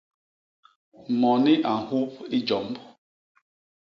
Moni a nhup i jomb.